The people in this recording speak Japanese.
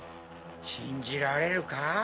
信じられるか？